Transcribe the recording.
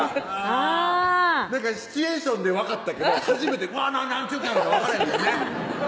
あぁシチュエーションで分かったけど初めて「わ名何ちゅうとか？」分かれへんもんね